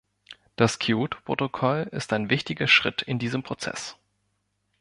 Das Kyoto-Protokoll ist ein wichtiger Schritt in diesem Prozess.